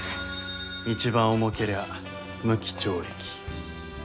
一番重けりゃ無期懲役。